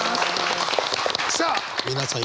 さあ皆さん